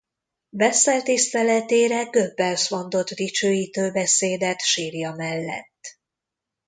Wessel tiszteletére Goebbels mondott dicsőítő beszédet sírja mellett.